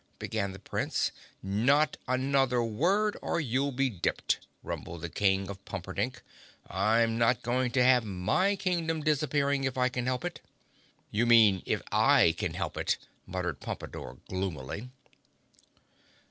began the Prince. "Not another word or you'll be dipped!" rumbled the King of Pumperdink. "I'm not going to have my kingdom disappearing if I can help it!" "You mean if I can help it," muttered Pompadore gloomily.